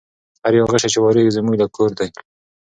هر یو غشی چي واریږي زموږ له کور دی